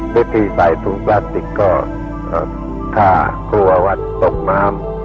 เวทีใส่ถุงแปลสติกก็อ่าถ้าครัวหวัดตกน้ำ